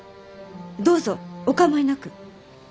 どうぞお構いなく。